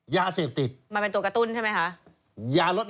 ยาเสพติด